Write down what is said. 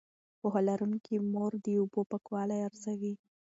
پوهه لرونکې مور د اوبو پاکوالی ارزوي.